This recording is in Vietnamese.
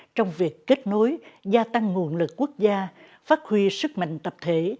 trong việc kết nối gia tăng nguồn lực quốc gia phát huy sức mạnh tập thể